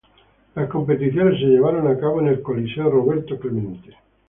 Las competiciones se llevaron a cabo en el Coliseo Roberto Clemente.